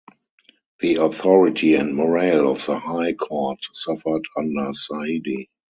The authority and morale of the High Court suffered under Saidi.